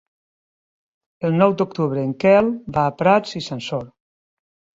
El nou d'octubre en Quel va a Prats i Sansor.